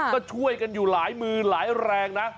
ก็ช่วยกันอยู่หลายมือหลายแรงนะ